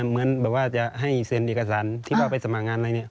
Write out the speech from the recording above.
เหมือนแบบว่าจะให้เซ็นเอกสารที่ว่าไปสมัครงานอะไรเนี่ย